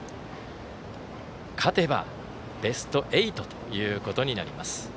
勝てばベスト８ということになります。